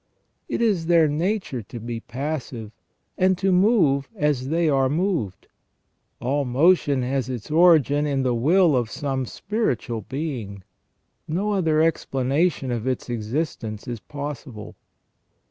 It is their nature to be passive, and to move as they are moved. All motion has its origin in the will of some spiritual being ; no other explanation of its existence is possible.